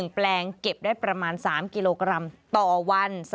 แปลงเก็บได้ประมาณ๓กิโลกรัมต่อวัน